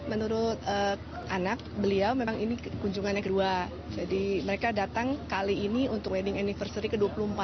menurut anak beliau memang ini kunjungannya kedua jadi mereka datang kali ini untuk wedding anniversary ke dua puluh empat